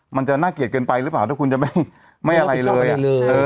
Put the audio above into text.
มันจะน่าเกียจเกินไปหรือเปล่าถ้าคุณจะไม่ไม่อะไรเลยอ่ะไม่รับผิดชอบได้เลย